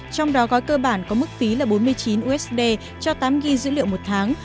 trong đó gói cơ bản có mức phí là bốn mươi chín usd cho tám gb dữ liệu một tháng